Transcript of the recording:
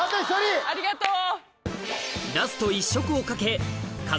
ありがとう。